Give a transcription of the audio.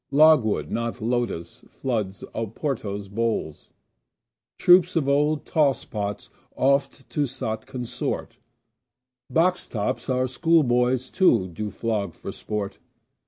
Logwood, not lotos, floods Oporto's bowls. Troops of old tosspots oft to sot consort. Box tops our schoolboys, too, do flog for sport.